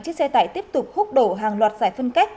chiếc xe tải tiếp tục hút đổ hàng loạt giải phân cách